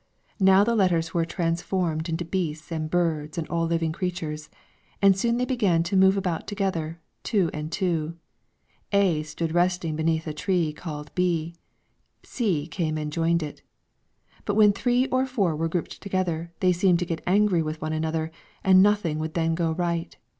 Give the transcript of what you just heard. Now the letters were transformed into beasts and birds and all living creatures; and soon they began to move about together, two and two; a stood resting beneath a tree called b, c came and joined it; but when three or four were grouped together they seemed to get angry with one another, and nothing would then go right.